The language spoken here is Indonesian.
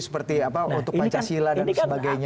seperti apa untuk pancasila dan sebagainya